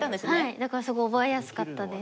だからすごい覚えやすかったです。